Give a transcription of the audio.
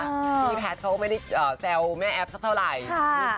ที่พิธีย์แพทซ์เขาก็ไม่ได้แซวแม่แอฟสักเท่าไหร่ครับ